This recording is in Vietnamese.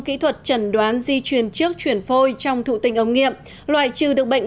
kỹ thuật chẩn đoán di chuyển trước chuyển phôi trong thụ tình ống nghiệm loại trừ được bệnh